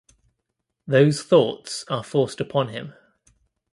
Those thoughts are forced upon him.